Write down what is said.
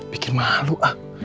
bikin malu ah